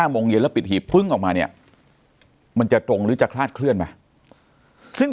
โมงเย็นแล้วปิดหีบพึ่งออกมาเนี่ยมันจะตรงหรือจะคลาดเคลื่อนไหมซึ่ง